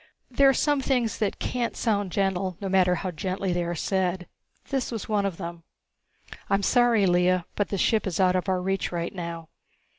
There are some things that can't sound gentle, no matter how gently they are said. This was one of them. "I'm sorry, Lea, but the ship is out of our reach right now.